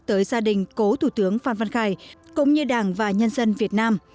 tới gia đình cố thủ tướng phan văn khải cũng như đảng và nhân dân việt nam